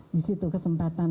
di situ kesempatan